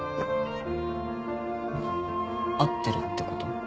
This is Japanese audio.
会ってるってこと？